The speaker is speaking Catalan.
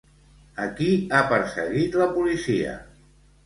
A qui ha perseguit la policia?